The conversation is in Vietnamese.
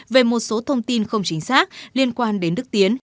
về một số thông tin không chính xác liên quan đến đức tiến